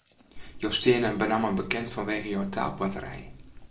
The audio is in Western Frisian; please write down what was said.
Jo steane benammen bekend fanwege jo taalboarterij.